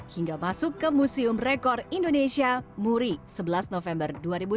hingga masuk ke museum rekor indonesia muri sebelas november dua ribu sembilan belas